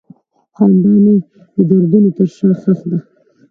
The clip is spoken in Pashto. خندا مې د دردونو تر شا ښخ ده.